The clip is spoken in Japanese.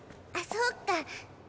あそうか。